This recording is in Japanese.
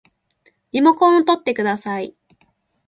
リモコンをとってください